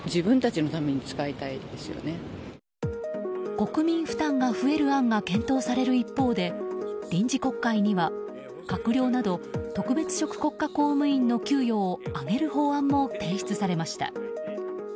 国民負担が増える案が検討される一方で臨時国会には、閣僚など特別職国家公務員の給与を上げる法案も提出されました。